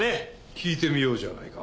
聞いてみようじゃないか。